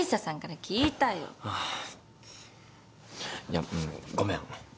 いやんごめん。